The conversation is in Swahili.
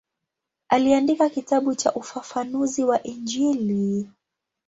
Aliandika kitabu cha ufafanuzi wa Injili.